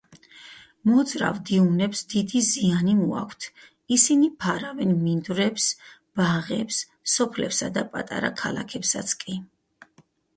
მოძრავ დიუნებს დიდი ზიანი მოაქვთ: ისინი ფარავენ მინდვრებს, ბაღებს, სოფლებსა და პატარა ქალაქებსაც კი.